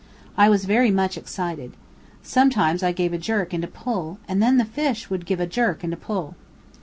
I was very much excited. Sometimes I gave a jerk and a pull, and then the fish would give a jerk and a pull.